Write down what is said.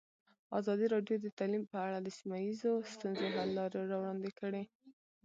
ازادي راډیو د تعلیم په اړه د سیمه ییزو ستونزو حل لارې راوړاندې کړې.